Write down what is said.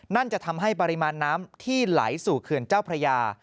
จะทำให้ปริมาณน้ำที่ไหลสู่เขื่อนเจ้าพระยา